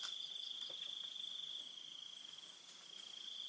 ติดต่อไปแล้ว